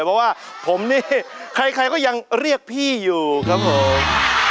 เพราะว่าผมนี่ใครก็ยังเรียกพี่อยู่ครับผม